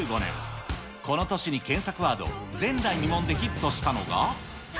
この年に検索ワード、前代未聞でヒットしたのが。